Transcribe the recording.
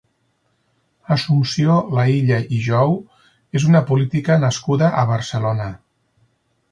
Assumpció Laïlla i Jou és una política nascuda a Barcelona.